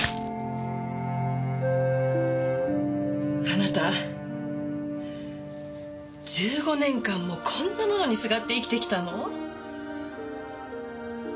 あなた１５年間もこんなものにすがって生きてきたの？